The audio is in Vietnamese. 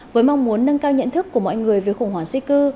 với mong muốn nâng cao nhận thức của mọi người về khủng hoảng di cư